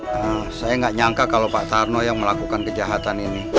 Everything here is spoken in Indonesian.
nah saya nggak nyangka kalau pak tarno yang melakukan kejahatan ini